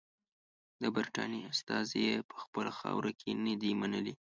د برټانیې استازي یې په خپله خاوره کې نه دي منلي.